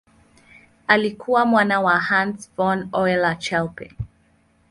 Alikuwa mwana wa Hans von Euler-Chelpin.